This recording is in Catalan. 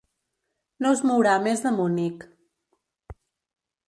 No es mourà més de Munic.